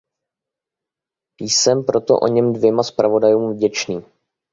Jsem proto oněm dvěma zpravodajům vděčný.